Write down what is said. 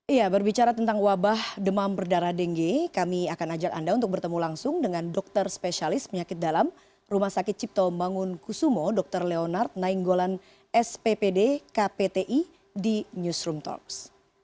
iya berbicara tentang wabah demam berdarah denge kami akan ajak anda untuk bertemu langsung dengan dokter spesialis penyakit dalam rumah sakit cipto bangun kusumo dr leonard nainggolan sppd kpti di newsroom talks